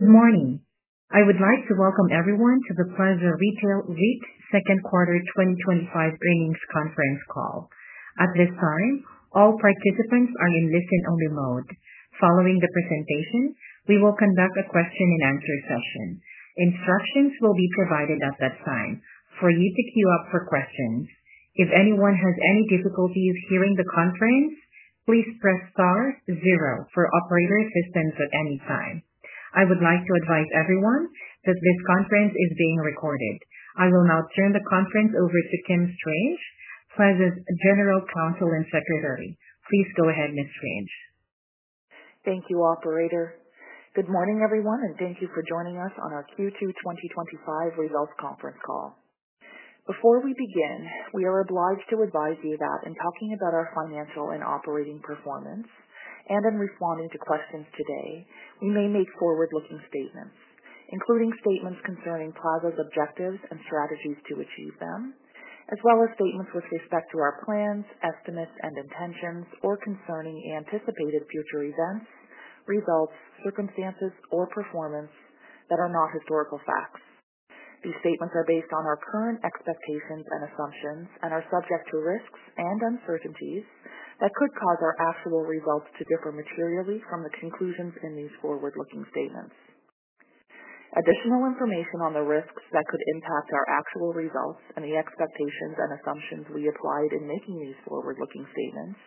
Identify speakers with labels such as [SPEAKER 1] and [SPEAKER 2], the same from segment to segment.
[SPEAKER 1] Good morning. I would like to welcome everyone to the Plaza Retail REIT second quarter 2025 earnings conference call. At this time, all participants are in listen-only mode. Following the presentation, we will conduct a question and answer session. Instructions will be provided at that time for you to queue up for questions. If anyone has any difficulties hearing the conference, please press star zero for operator assistance at any time. I would like to advise everyone that this conference is being recorded. I will now turn the conference over to Kim Strange, Plaza's General Counsel and Secretary. Please go ahead, Ms. Strange.
[SPEAKER 2] Thank you, Operator. Good morning, everyone, and thank you for joining us on our Q2 2025 results conference call. Before we begin, we are obliged to advise you that in talking about our financial and operating performance and in responding to questions today, we may make forward-looking statements, including statements concerning Plaza's objectives and strategies to achieve them, as well as statements with respect to our plans, estimates, and intentions, or concerning anticipated future events, results, circumstances, or performance that are not historical facts. These statements are based on our current expectations and assumptions and are subject to risks and uncertainties that could cause our actual results to differ materially from the conclusions in these forward-looking statements. Additional information on the risks that could impact our actual results and the expectations and assumptions we applied in making these forward-looking statements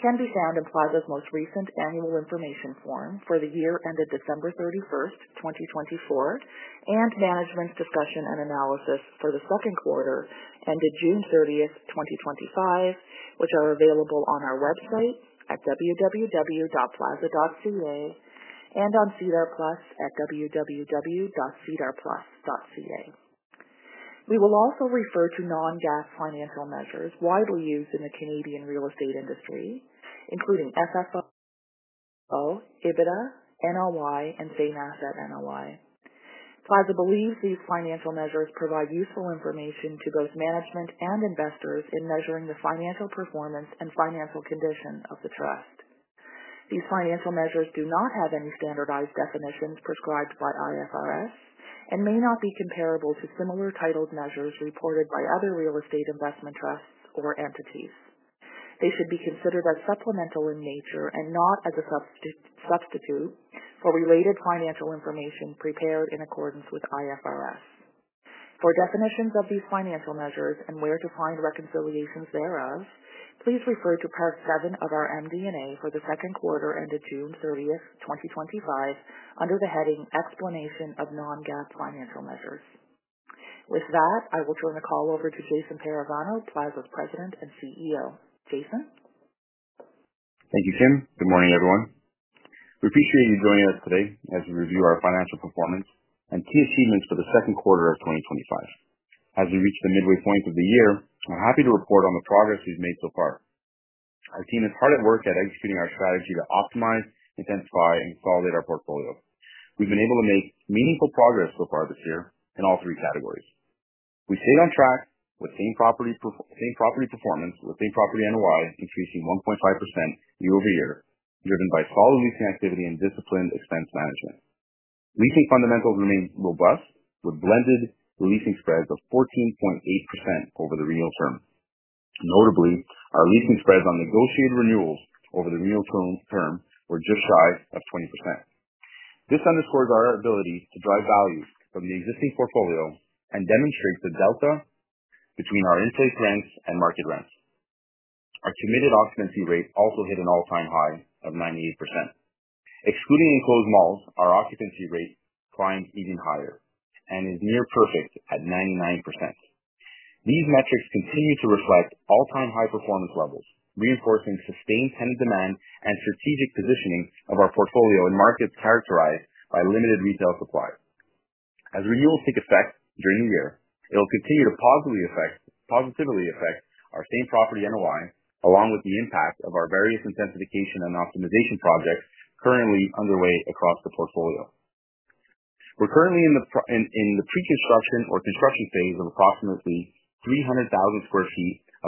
[SPEAKER 2] can be found in Plaza's most recent annual information form for the year ended December 31, 2024, and management discussion and analysis for the second quarter ended June 30, 2025, which are available on our website at www.plaza.ca and on Sedar+ at www.sedarplus.ca. We will also refer to non-GAAP financial measures widely used in the Canadian real estate industry, including FFO, EBITDA, NOI, and Same Asset NOI. Plaza believes these financial measures provide useful information to both management and investors in measuring the financial performance and financial condition of the trust. These financial measures do not have any standardized definitions prescribed by IFRS and may not be comparable to similarly titled measures reported by other real estate investment trusts or entities. They should be considered as supplemental in nature and not as a substitute for related financial information prepared in accordance with IFRS. For definitions of these financial measures and where to find reconciliations thereof, please refer to Part 7 of our MD&A for the second quarter ended June 30, 2025, under the heading Explanation of Non-GAAP Financial Measures. With that, I will turn the call over to Jason Parravano, Plaza's President and CEO. Jason?
[SPEAKER 3] Thank you, Kim. Good morning, everyone. We appreciate you joining us today as we review our financial performance and key achievements for the second quarter of 2025. As we reach the midway point of the year, we're happy to report on the progress we've made so far. Our team is hard at work executing our strategy to optimize, intensify, and consolidate our portfolio. We've been able to make meaningful progress so far this year in all three categories. We stayed on track with same property performance, with same property NOI increasing 1.5% year over year, driven by solid leasing activity and disciplined expense management. Leasing fundamentals remain robust with blended leasing spreads of 14.8% over the renewal term. Notably, our leasing spreads on negotiated renewals over the renewal term were just shy of 20%. This underscores our ability to drive value from the existing portfolio and demonstrates the delta between our in-place rents and market rents. Our committed occupancy rate also hit an all-time high of 98%. Excluding enclosed malls, our occupancy rate climbed even higher and is near perfect at 99%. These metrics continue to reflect all-time high performance levels, reinforcing sustained tenant demand and strategic positioning of our portfolio in markets characterized by limited retail supply. As renewals take effect during the year, it'll continue to positively affect our same property NOI, along with the impact of our various intensification and optimization projects currently underway across the portfolio. We're currently in the pre-construction or construction phase of approximately 300,000 sq ft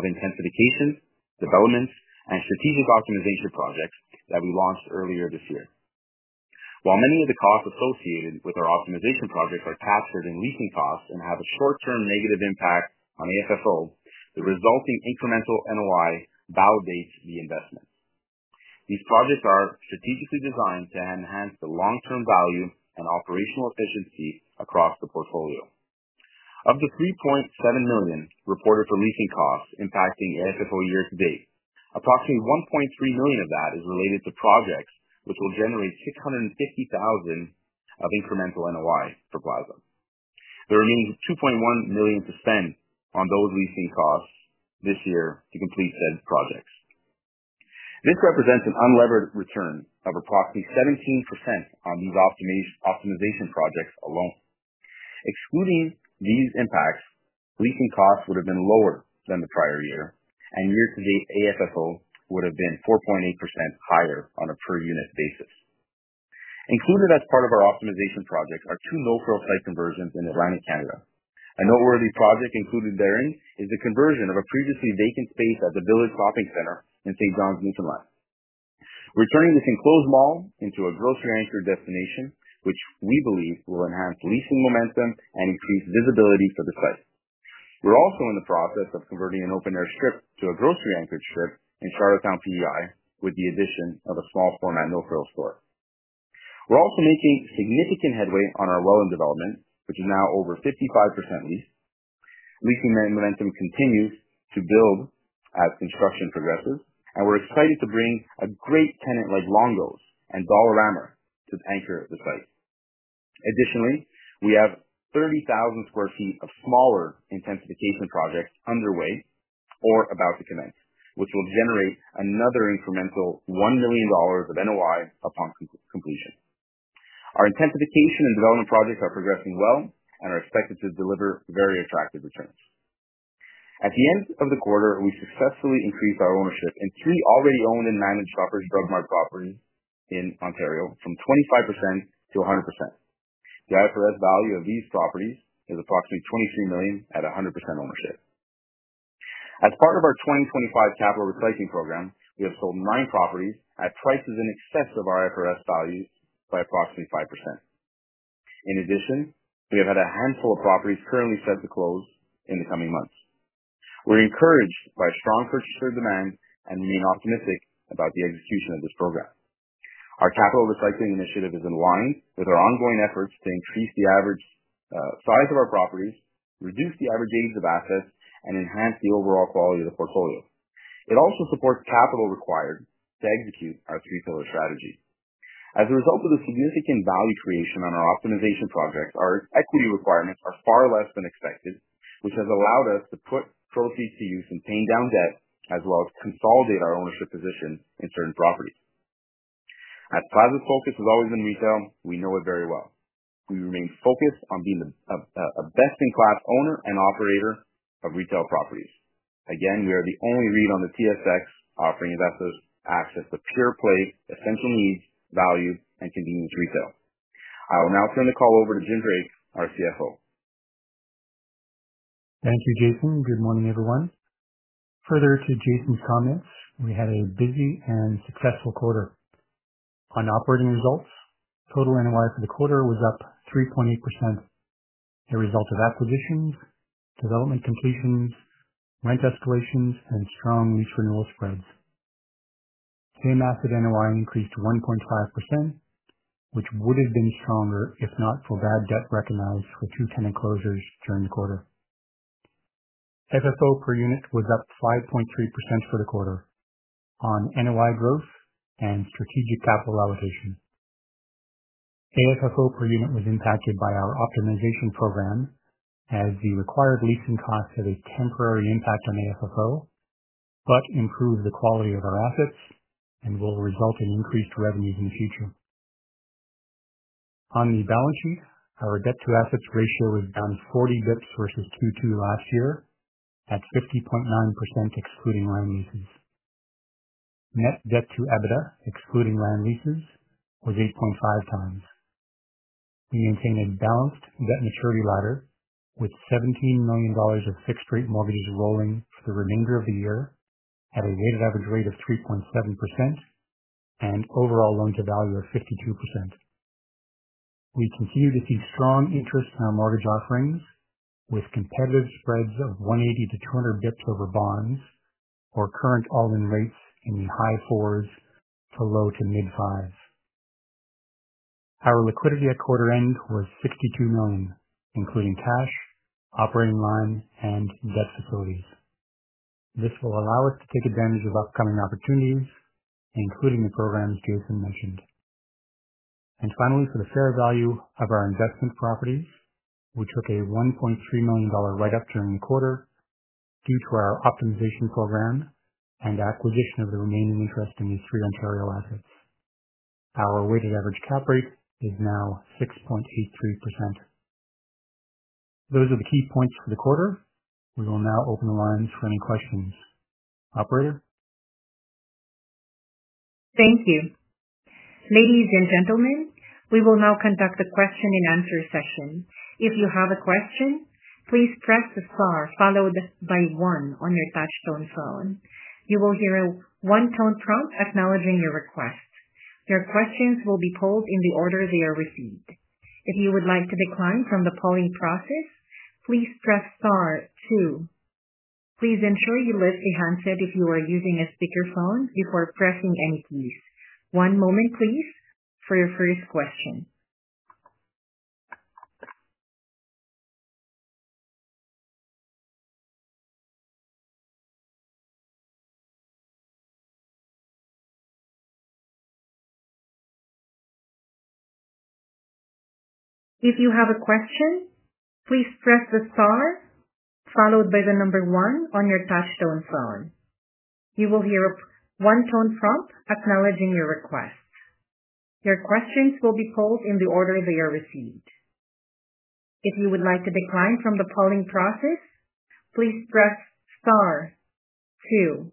[SPEAKER 3] of intensifications, developments, and strategic optimization projects that we launched earlier this year. While many of the costs associated with our optimization projects are taxed as leasing costs and have a short-term negative impact on the FFO, the resulting incremental NOI validates the investment. These projects are strategically designed to enhance the long-term value and operational efficiency across the portfolio. Of the $3.7 million reported for leasing costs impacting the FFO year to date, approximately $1.3 million of that is related to projects which will generate $650,000 of incremental NOI for Plaza. There remains $2.1 million to spend on those leasing costs this year to complete said projects. This represents an unlevered return of approximately 17% on these optimization projects alone. Excluding these impacts, leasing costs would have been lower than the prior year, and year-to-date AFFO would have been 4.8% higher on a per-unit basis. Included as part of our optimization projects are two No Frills site conversions in Atlantic Canada. A noteworthy project included therein is the conversion of a previously vacant space at the Village Shopping Center in St. John's, Newfoundland. We're turning this enclosed mall into a grocery-anchored destination, which we believe will enhance leasing momentum and increase visibility for the place. We're also in the process of converting an open-air strip to a grocery-anchored strip in Charlotte County, with the addition of a small format No Frills store. We're also making significant headway on our Welland development, which is now over 55% leased. Leasing momentum continues to build as construction progresses, and we're excited to bring a great tenant like Longo’s and Dollarama to anchor the site. Additionally, we have 30,000 sq ft of smaller intensification projects underway or about to commence, which will generate another incremental $1 million of NOI upon completion. Our intensification and development projects are progressing well and are expected to deliver very attractive returns. At the end of the quarter, we successfully increased our ownership in two already owned and managed Shoppers Drug Mart property in Ontario, from 25% to 100%. The IFRS value of these properties is approximately $23 million at 100% ownership. As part of our 2025 capital recycling program, we have sold nine properties at prices in excess of our IFRS value by approximately 5%. In addition, we have a handful of properties currently set to close in the coming months. We're encouraged by strong purchaser demand and remain optimistic about the execution of this program. Our capital recycling initiative is in line with our ongoing efforts to increase the average size of our properties, reduce the average age of assets, and enhance the overall quality of the portfolio. It also supports capital required to execute our three-pillar strategy. As a result of the significant value creation on our optimization projects, our equity requirements are far less than expected, which has allowed us to put proceeds to use in paying down debt, as well as consolidate our ownership position in certain properties. As Plaza's focus has always been retail, we know it very well. We remain focused on being a best-in-class owner and operator of retail properties. Again, we are the only REIT on the TSX offering investors access to pure play, essential needs, value, and convenience retail. I will now turn the call over to Jim Drake, our CFO.
[SPEAKER 4] Thank you, Jason. Good morning, everyone. Further to Jason's comments, we had a busy and successful quarter. On operating results, total NOI for the quarter was up 3.8%. A result of acquisitions, development completions, rent escalations, and strong lease renewal spreads. Same asset NOI increased 1.5%, which would have been stronger if not for bad debt recognized for two tenant closures during the quarter. FFO per unit was up 5.3% for the quarter on NOI growth and strategic capital allocation. AFFO per unit was impacted by our optimization program as the required leasing costs have a temporary impact on AFFO but improve the quality of our assets and will result in increased revenues in the future. On the balance sheet, our debt-to-assets ratio is down to 40 basis points versus Q2 last year. That's 50.9% excluding land leases. Net debt to EBITDA, excluding land leases, was 8.5x. We maintain a balanced debt maturity ladder with $17 million of fixed-rate mortgages rolling for the remainder of the year at a weighted average rate of 3.7% and overall loan-to-value of 52%. We continue to see strong interest in our mortgage offerings with competitive spreads of 180 basis points-200 basis points over bonds or current all-in rates in high fours to low to mid-fives. Our liquidity at quarter end was $62 million, including cash, operating line, and debt securities. This will allow us to take advantage of upcoming opportunities, including the programs Jason mentioned. Finally, for the fair value of our investment properties, we took a $1.3 million write-up during the quarter due to our optimization program and acquisition of the remaining interest in these three Ontario assets. Our weighted average cap rate is now 6.83%. Those are the key points for the quarter. We will now open the lines for any questions. Operator?
[SPEAKER 1] Thank you. Ladies and gentlemen, we will now conduct the question and answer session. If you have a question, please press the star followed by one on your touch-tone phone. You will hear a one-tone prompt acknowledging your request. Your questions will be pulled in the order they are received. If you would like to decline from the polling process, please press star two. Please ensure you lift a handset if you are using a speaker phone before pressing any keys. One moment, please, for your first question. If you have a question, please press the star followed by the number one on your touch-tone phone. You will hear a one-tone prompt acknowledging your request. Your questions will be pulled in the order they are received. If you would like to decline from the polling process, please press star two.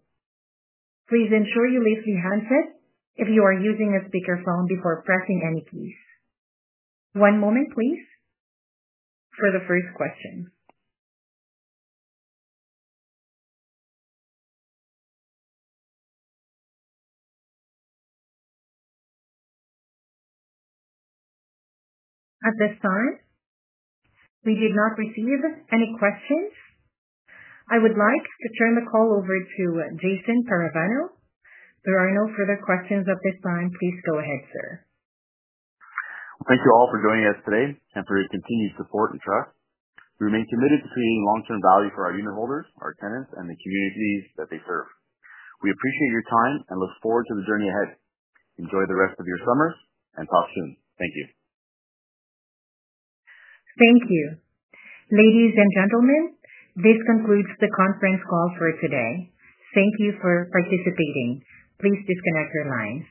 [SPEAKER 1] Please ensure you lift your handset if you are using a speaker phone before pressing any keys. One moment, please, for the first question. At this time, we did not receive any questions. I would like to turn the call over to Jason Parravano. There are no further questions at this time. Please go ahead, sir.
[SPEAKER 3] Thank you all for joining us today and for your continued support and trust. We remain committed to creating long-term value for our unit holders, our tenants, and the communities that they serve. We appreciate your time and look forward to the journey ahead. Enjoy the rest of your summer and talk soon. Thank you.
[SPEAKER 1] Thank you. Ladies and gentlemen, this concludes the conference call for today. Thank you for participating. Please disconnect your lines.